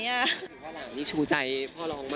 หลานนี้ชูใจพ่อรองมากเลย